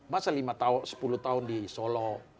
masa lima tahun sepuluh tahun di solo